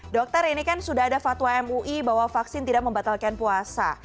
dokter ini kan sudah ada fatwa mui bahwa vaksin tidak membatalkan puasa